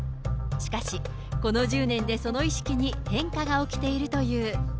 しかし、この１０年でその意識に変化が起きているという。